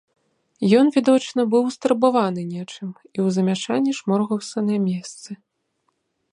Ён відочна быў устурбаваны нечым і ў замяшанні шморгаўся на месцы.